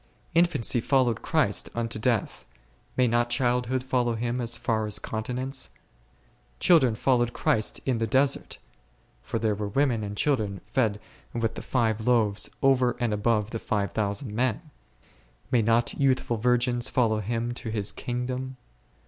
Infancy followed Christ unto death, may not childhood follow Him as far as continence ? Children followed Christ in the desert, (for there were women and children fed with the five loaves over and above the five thousand men,) may not youthful virgins follow Him to His kingdom